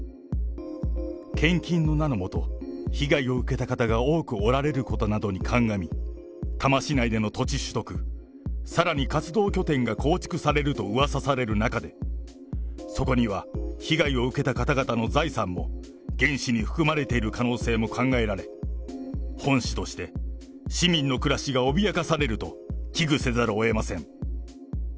献金の名のもと、被害を受けた方が多くおられることなどに鑑み、多摩市内での土地取得、さらに活動拠点が構築されるとうわさされる中で、そこには被害を受けた方々の財産も原資に含まれている可能性も考えられ、本市として、市民の暮らしが脅かされると危惧せざるをえ